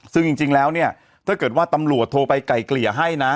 ซึ่งจริงแล้วเนี่ยถ้าเกิดว่าตำรวจโทรไปไกลเกลี่ยให้นะ